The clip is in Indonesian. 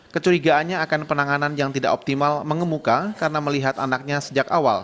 kecurigaannya akan penanganan yang tidak optimal mengemuka karena melihat anaknya sejak awal